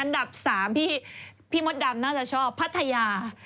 อันดับ๓พี่มดดำน่าจะชอบพัทยา